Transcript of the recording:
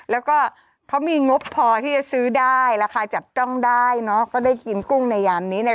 แล้วก็เขามีงบพอที่จะซื้อได้ราคาจับจ้องได้เนอะก็ได้กินกุ้งในยามนี้เนี่ย